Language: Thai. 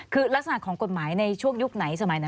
คือลักษณะของกฎหมายในช่วงยุคไหนสมัยไหน